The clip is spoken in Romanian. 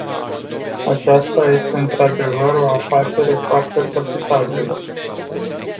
Aceasta este într-adevăr o afacere foarte profitabilă.